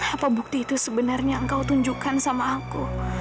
apa bukti itu sebenarnya yang kau tunjukkan sama aku